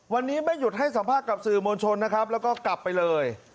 วันนี้ไม่หยุดให้สัมภาพสื่อมวลชนล์กลับไปเลย